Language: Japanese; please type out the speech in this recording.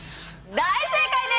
大正解です！